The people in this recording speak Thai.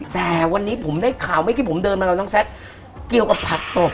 แต่วันนี้ผมได้ข่าวเมื่อกี้ผมเดินมากับน้องแซคเกี่ยวกับผักตก